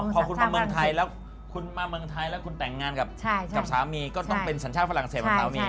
อ๋อพอคุณมาเมืองไทยแล้วคุณแต่งงานกับสามีก็ต้องเป็นสังชาติฝรั่งเศสมาแถวมี